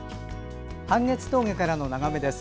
半月峠からの眺めです。